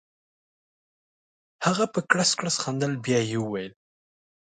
هغه په کړس کړس خندل بیا یې وویل.